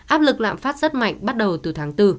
áp lực lạm phát rất mạnh bắt đầu từ tháng bốn